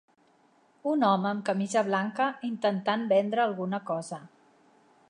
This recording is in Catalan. Un home amb camisa blanca intentant vendre alguna cosa.